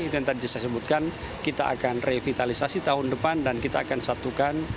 itu yang tadi saya sebutkan kita akan revitalisasi tahun depan dan kita akan satukan